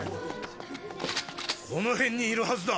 この辺にいるはずだ。